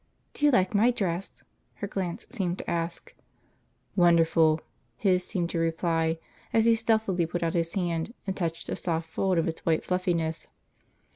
"Do you like my dress?" her glance seemed to ask. "Wonderful!" his seemed to reply, as he stealthily put out his hand and touched a soft fold of its white fluffiness.